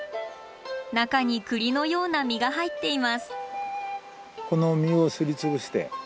中に栗のような実が入っています。